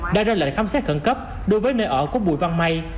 đã ra lệnh khám xét khẩn cấp đối với nơi ở của bùi văn may